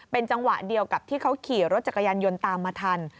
เป็นจังหวะเดียวกับที่เขาขี่รถจักรยานยนต์ตามมาทัน